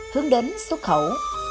hướng đến xuất khẩu